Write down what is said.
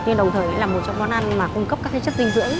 nhưng đồng thời là một trong món ăn mà cung cấp các chất dinh dưỡng